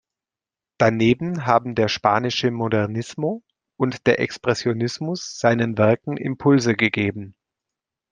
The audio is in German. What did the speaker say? Daneben haben der spanische Modernismo und der Expressionismus seinen Werken Impulse gegeben.